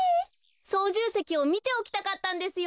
そうじゅうせきをみておきたかったんですよ。